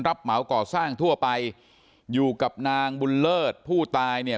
เหมาก่อสร้างทั่วไปอยู่กับนางบุญเลิศผู้ตายเนี่ย